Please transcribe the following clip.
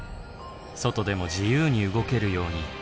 外でも自由に動けるように。